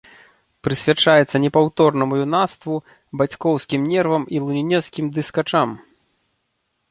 Прысвячаецца непаўторнаму юнацтву, бацькоўскім нервам і лунінецкім дыскачам!